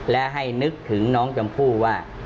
และให้นึกถึงน้องชมพู่ว่า